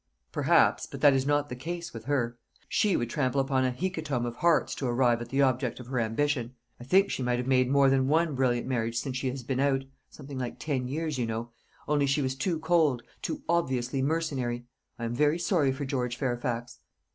"Perhaps; but that is not the case with her. She would trample upon a hecatomb of hearts to arrive at the object of her ambition. I think she might have made more than one brilliant marriage since she has been out something like ten years, you know only she was too cold, too obviously mercenary. I am very sorry for George Fairfax."